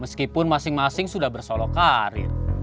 meskipun masing masing sudah bersolok karir